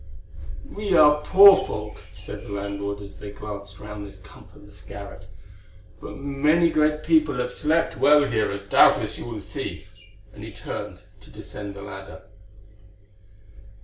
"We are poor folk," said the landlord as they glanced round this comfortless garret, "but many great people have slept well here, as doubtless you will also," and he turned to descend the ladder.